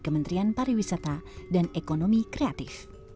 kementerian pariwisata dan ekonomi kreatif